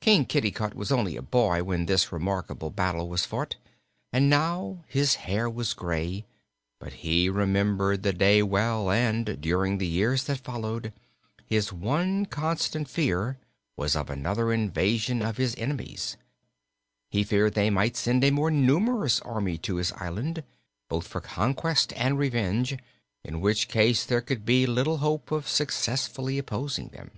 King Kitticut was only a boy when this remarkable battle was fought, and now his hair was gray; but he remembered the day well and, during the years that followed, his one constant fear was of another invasion of his enemies. He feared they might send a more numerous army to his island, both for conquest and revenge, in which case there could be little hope of successfully opposing them.